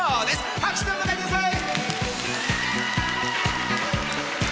拍手でお迎えください！